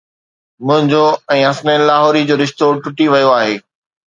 منهنجو ۽ حسنين لاهوري جو رشتو ٽٽي ويو آهي